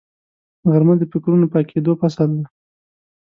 غرمه د فکرونو پاکېدو فصل دی